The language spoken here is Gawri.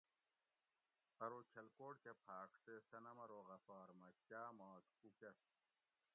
ارو کھلکوٹ کے پھۤاڄ تے صنم ارو غفار مہ کاۤ ماک اوُکس